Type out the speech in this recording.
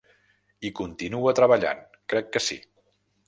Hi continua treballant, crec que sí.